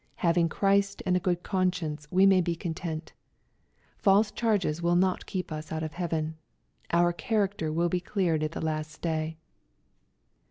Having Christ and a good conscience, we may be content. False charges will not keep us out of heaven. Our character will be cleared at the last day.